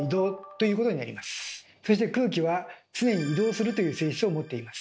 そして空気は常に移動するという性質を持っています。